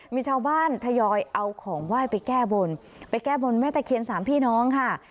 มีชาวบ้านทยอยเอาของไหว้ไปแก้บนไปแก้บนแม่ตะเคียนสามพี่น้องค่ะ